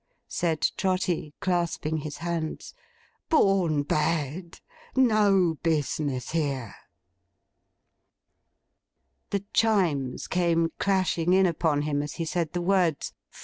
said Trotty, clasping his hands. 'Born bad. No business here!' The Chimes came clashing in upon him as he said the words.